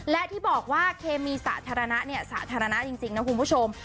และที่บอกว่าเคมีสาธารณะเนี่ยสาธารณะจริงนะคุณผู้ชม